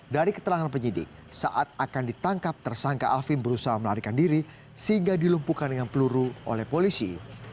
dari keterangan penyidik saat akan ditangkap tersangka alvim berusaha melarikan diri sehingga dilumpuhkan dengan peluru oleh polisi